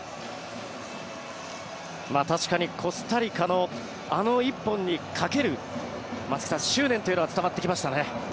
確かにコスタリカのあの１本にかける松木さん、執念というのは伝わってきましたね。